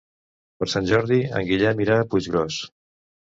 Per Sant Jordi en Guillem irà a Puiggròs.